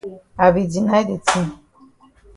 I be deny de tin.